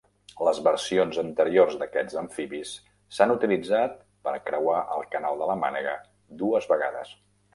Les versions anteriors d'aquests amfibis s'han utilitzat per creuar el Canal de la Mànega dues vegades.